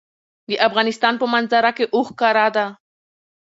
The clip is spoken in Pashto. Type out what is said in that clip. د افغانستان په منظره کې اوښ ښکاره ده.